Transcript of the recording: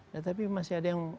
nah tapi masih ada yang